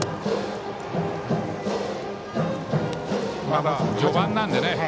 まだ序盤なのでね。